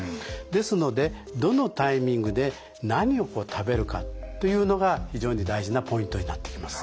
ですのでどのタイミングで何を食べるかというのが非常に大事なポイントになってきます。